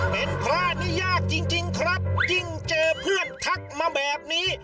เป็นพระนี่ยากจริงครับยิ่งเจอเพื่อนทักมาแบบนี้